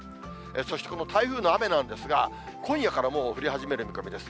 そしてこの台風の雨なんですが、今夜からもう降り始める見込みです。